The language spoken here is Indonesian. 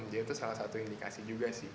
dia itu salah satu indikasi juga sih